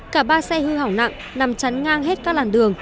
cả ba xe hư hỏng nặng nằm chắn ngang hết các làn đường